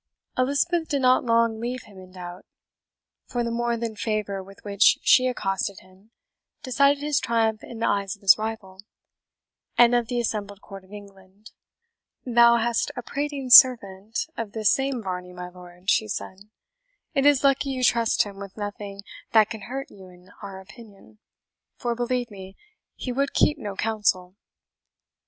Elizabeth did not long leave him in doubt; for the more than favour with which she accosted him decided his triumph in the eyes of his rival, and of the assembled court of England. "Thou hast a prating servant of this same Varney, my lord," she said; "it is lucky you trust him with nothing that can hurt you in our opinion, for believe me, he would keep no counsel."